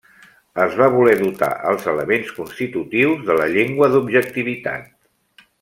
Es va voler dotar als elements constitutius de la llengua d'objectivitat.